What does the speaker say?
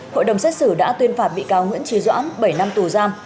hội đồng xét xử đã tuyên phạt bị cáo nguyễn trí doãn bảy năm tù giam